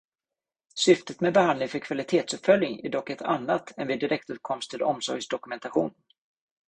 Syftet med behandling för kvalitetsuppföljning är dock ett annat än vid direktåtkomst till omsorgsdokumentation.